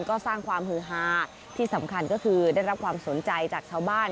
ก็สร้างความฮือฮาที่สำคัญก็คือได้รับความสนใจจากชาวบ้าน